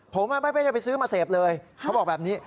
ผมไม่ได้ไปซื้อมาเสพเลยเขาบอกแบบนี้